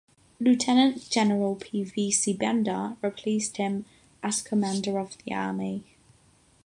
Lieutenant General P. V. Sibanda replaced him as Commander of the Army.